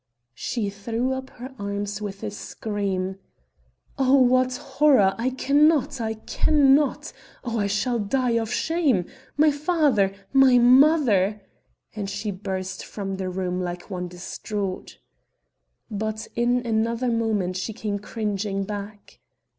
She threw up her arms with a scream. "Oh, what a horror! I can not! I can not! Oh, I shall die of shame! My father! My mother!" And she burst from the room like one distraught. But in another moment she came cringing back.